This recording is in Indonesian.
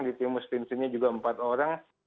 di timus timsinnya juga empat orang